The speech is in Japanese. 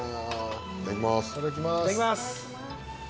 いただきます。